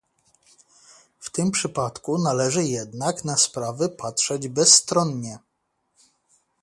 W tym przypadku należy jednak na sprawy patrzeć bezstronnie